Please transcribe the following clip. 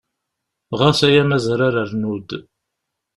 Ɣas ay amezrar rnu-d.